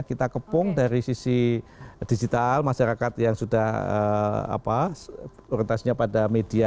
kita kepung dari sisi digital masyarakat yang sudah orientasinya pada media